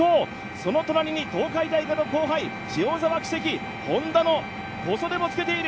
その隣に東海大学の後輩、塩澤稀夕、Ｈｏｎｄａの小袖もつけている。